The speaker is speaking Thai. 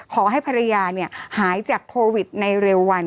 ขอให้ภรรยาหายจากโควิดในเร็ววัน